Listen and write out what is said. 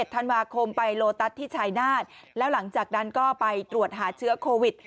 ธันวาคมไปโลตัสที่ชายนาฏแล้วหลังจากนั้นก็ไปตรวจหาเชื้อโควิด